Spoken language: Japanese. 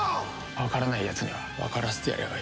わからないやつにはわからせてやればいい。